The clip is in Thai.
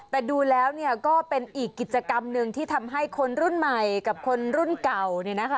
แต่ดูแล้วก็เป็นอีกกิจกรรมหนึ่งที่ทำให้คนรุ่นใหม่กับคนรุ่นเก่าเนี่ยนะคะ